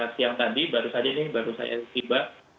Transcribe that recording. siang tadi baru saja ini baru saya tiba